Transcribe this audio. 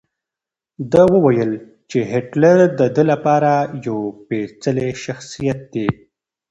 ده وویل چې هېټلر د ده لپاره یو سپېڅلی شخصیت دی.